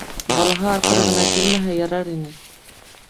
Балаһы арҡыры ғына килмәһә ярар ине.